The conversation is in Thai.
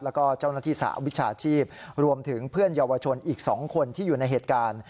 แล้วก็เจ้าหน้าที่สหวิชาชีพรวมถึงเพื่อนเยาวชนอีก๒คนที่อยู่ในเหตุการณ์